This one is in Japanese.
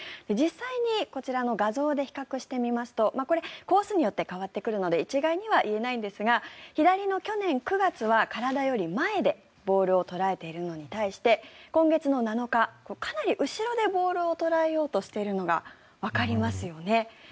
実際にこちらの画像で比較してみますとこれ、コースによって変わってくるので一概には言えないんですが左の去年９月は体より前でボールを捉えているのに対して今月７日、かなり後ろでボールを捉えようとしているのがわかりますよね。